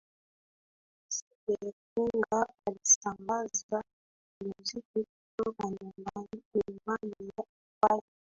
steringa alisambaza muziki kutoka nyumbani kwake